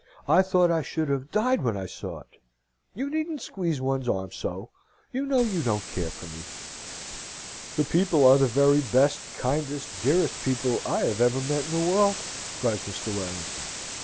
I thought I should have died when I saw it! You needn't squeeze one's arm so. You know you don't care for me?" "The people are the very best, kindest, dearest people I have ever met in the world," cries Mr. Warrington.